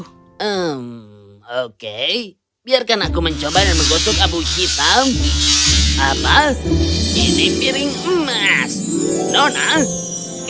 hmm oke biarkan aku mencoba dan menggotong abu hitam apa ini piring emas donas